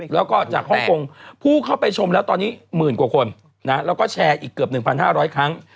แล้วก็จากฮ่องคงผู้เข้าไปชมแล้วตอนนี้หมื่นกว่าคนนะแล้วก็แชร์อีกเกือบหนึ่งพันห้าร้อยครั้ง